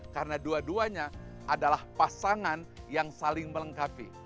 karena dua duanya adalah pasangan yang saling melengkapi